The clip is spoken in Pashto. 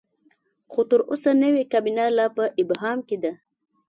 خو تر اوسه نوې کابینه لا په ابهام کې ده.